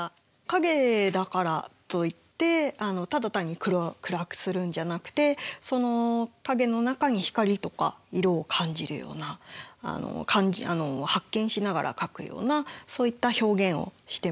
影だからといってただ単に暗くするんじゃなくてその影の中に光とか色を感じるような発見しながら描くようなそういった表現をしてますね。